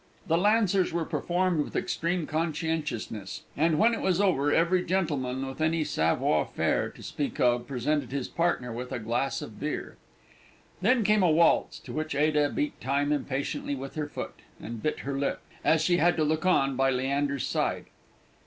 The Lancers were performed with extreme conscientiousness; and when it was over, every gentleman with any savoir faire to speak of presented his partner with a glass of beer. Then came a waltz, to which Ada beat time impatiently with her foot, and bit her lip, as she had to look on by Leander's side.